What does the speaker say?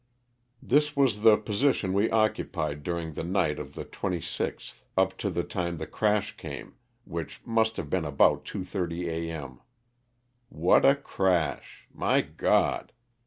This was the position we occupied during the night of the 26th up to the time the crash came, which must have been about 2:30 A. m. What a crash ! My God